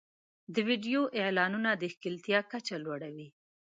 د ویډیو اعلانونه د ښکېلتیا کچه لوړوي.